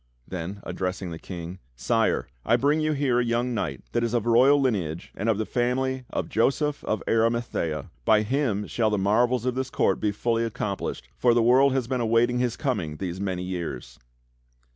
Then ad dressing the King: "Sire, I bring you here a young knight that is of royal lineage and of the family of Joseph of Arimathaea. By him shall the mar vels of this court be fully accomplished, for the world has been await ing his coming these many years!"